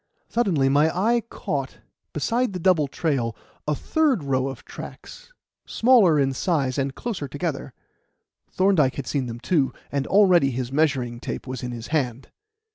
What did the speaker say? Suddenly my eye caught, beside the double trail, a third row of tracks, smaller in size and closer together. Thorndyke had seen them, too, and already his measuring tape was in his hand.